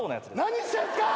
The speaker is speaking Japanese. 何してんすか！